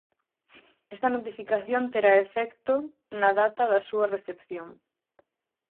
Esta notificación terá efecto na data da súa recepción.